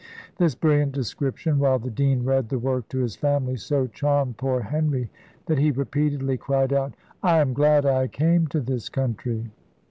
This brilliant description, while the dean read the work to his family, so charmed poor Henry, that he repeatedly cried out, "I am glad I came to this country."